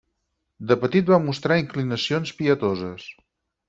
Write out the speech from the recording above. De petit va mostrar inclinacions pietoses.